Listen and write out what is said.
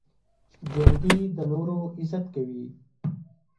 ژوندي د نورو عزت کوي